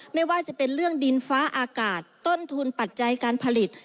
ไม่ว่าจะเป็นเรื่องดินฟ้าอากาศต้นทุนปัจจัยการผลิต